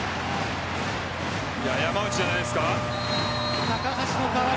山内じゃないですか。